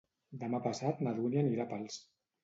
Demà passat na Dúnia anirà a Pals.